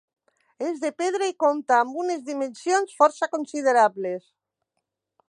És de pedra i compta amb unes dimensions força considerables.